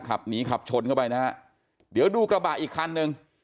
ขับหนีขับชนเข้าไปนะฮะเดี๋ยวดูกระบะอีกคันหนึ่ง